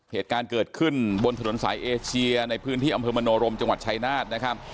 เหตุการณ์เกิดขึ้นบนถนนสายเอเชียในพื้นที่อำเภอมโนรมจังหวัดชายนาฏนะครับ